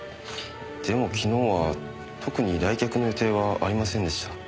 でも昨日は特に来客の予定はありませんでした。